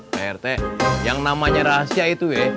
pak rt yang namanya rahasia itu ya